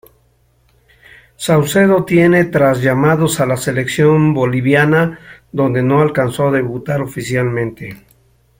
Saucedo tiene tras llamados a la Selección boliviana, donde no alcanzó a debutar oficialmente.